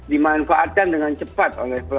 tinggal cari kendaraan tinggal cari metode yang tepat